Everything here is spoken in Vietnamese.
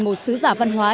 một sứ giả văn hóa